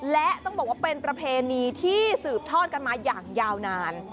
และต้องบอกว่าเป็นประเพณีที่สืบทอดกันมาอย่างยาวนาน